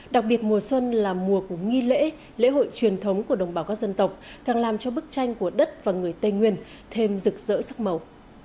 đặc biệt mùa xuân là mùa của nghi lễ lễ hội truyền thống của đồng bào các dân tộc càng làm cho bức tranh của đất và người tây nguyên thêm rực rỡ sắc màu